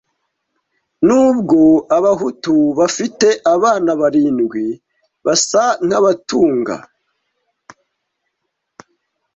Nubwo Abahutu bafite abana barindwi, basa nkabatunga.